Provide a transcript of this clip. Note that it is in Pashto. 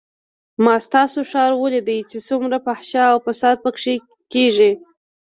ما ستاسو ښار وليد چې څومره فحشا او فساد پکښې کېږي.